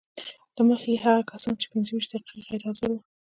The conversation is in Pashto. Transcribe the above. له مخې یې هغه کسان چې پنځه ویشت دقیقې غیر حاضر وو